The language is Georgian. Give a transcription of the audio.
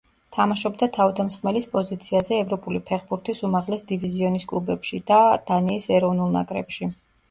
თამაშობდა თავდამსხმელის პოზიციაზე ევროპული ფეხბურთის უმაღლეს დივიზიონის კლუბებში და დანიის ეროვნულ ნაკრებში.